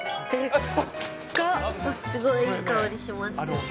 すごいいい香りします。